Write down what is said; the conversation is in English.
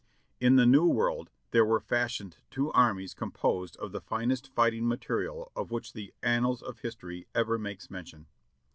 In the New World there were fashioned two armies composed of the finest fighting material of which the annals of history ever makes mention.